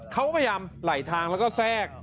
เขาก็พยายามไหลทางแล้วก็แทรก